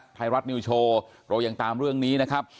ไทยรัฐนิวโชว์เรายังตามเรื่องนี้นะครับ